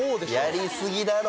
やりすぎだろ。